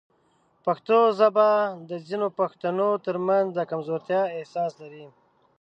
پښتو ژبه د ځینو پښتنو ترمنځ د کمزورتیا احساس لري.